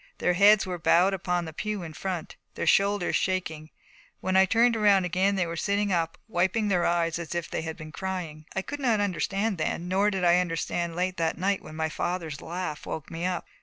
Their heads were bowed upon the pew in front. Their shoulders were shaking. When I turned around again they were sitting up, wiping their eyes as if they had been crying. I could not understand then, nor did I understand late that night when my father's laugh woke me up.